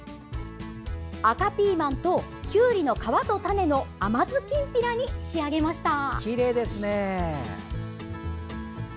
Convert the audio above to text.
赤ピーマンときゅうりの皮と種の甘酢きんぴらに仕上げました！